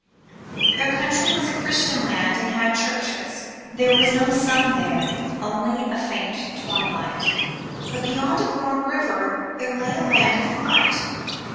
Their country was a Christian land and had churches. There was no sun there, only a faint twilight ; but beyond a broad river there lay a land of light.